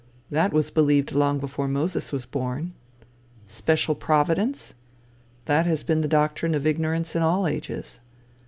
that was believed long before Moses was born. Special providence? that has been the doctrine of ignorance in all ages.